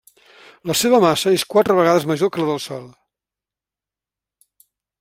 La seva massa és quatre vegades major que la del Sol.